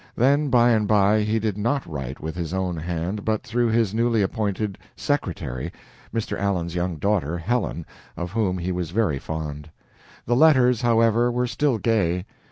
Then, by and by, he did not write with his own hand, but through his newly appointed "secretary," Mr. Allen's young daughter, Helen, of whom he was very fond. The letters, however, were still gay.